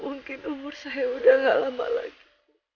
mungkin umur saya udah gak lama lagi